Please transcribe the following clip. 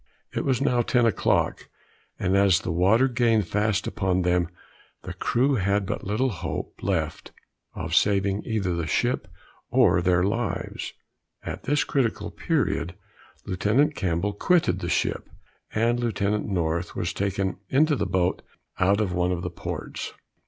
It was now ten o'clock, and as the water gained fast upon them, the crew had but little hope left of saving either the ship or their lives. At this critical period Lieutenant Campbell quitted the ship, and Lieutenant North was taken into the boat out of one of the ports.